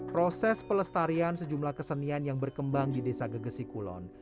proses pelestarian sejumlah kesenian yang berkembang di desa gegesi kulon